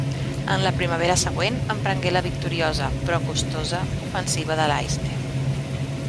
En la primavera següent emprengué la victoriosa però costosa ofensiva de l'Aisne.